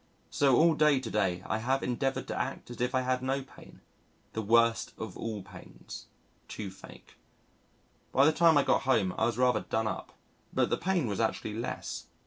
So all day to day I have endeavoured to act as if I had no pain the worst of all pains toothache. By the time I got home I was rather done up, but the pain was actually less.